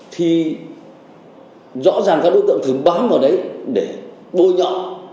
thì rõ ràng các đối tượng thường bám vào đấy để bôi nhọ